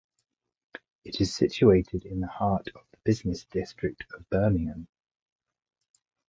It is situated in the heart of the business district of Birmingham.